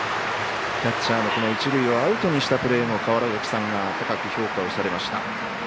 キャッチャーの一塁をアウトにしたプレーを川原崎さんが高く評価されました。